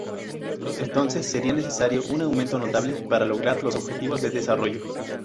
Entonces, sería necesario un aumento notable para lograr los Objetivos de Desarrollo.